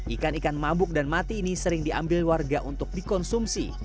ikan ikan mabuk dan mati ini sering diambil warga untuk dikonsumsi